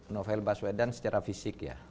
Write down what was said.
novel baswedan secara fisik ya